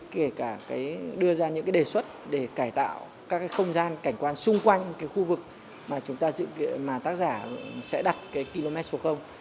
kể cả đưa ra những đề xuất để cải tạo các không gian cảnh quan xung quanh khu vực mà tác giả sẽ đặt km số